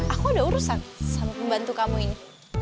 aku ada urusan sama pembantu kamu ini